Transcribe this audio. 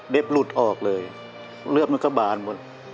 หลุดออกเลยเลือดมันก็บานหมด